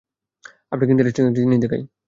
আপনাকে ইন্টেরেস্টিং একটা জিনিস দেখাই।